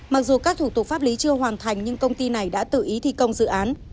mặc dù các thủ tục pháp lý chưa hoàn thành nhưng công ty này đã tự ý thi công dự án